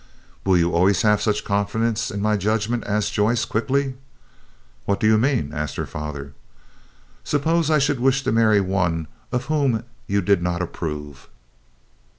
"Will you always have such confidence in my judgment?" asked Joyce, quickly. "What do you mean?" asked her father. "Suppose I should wish to marry one of whom you did not approve?"